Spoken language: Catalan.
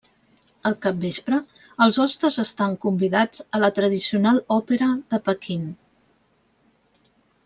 Al capvespre, els hostes estan convidats a la tradicional òpera de Pequín.